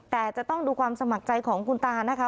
แต่จะต้องดูความสมัครใจของคุณตานะคะ